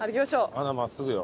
まだ真っすぐよ。